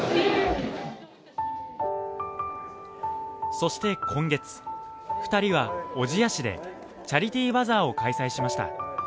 そして今月、２人は小千谷市でチャリティーバザーを開催しました。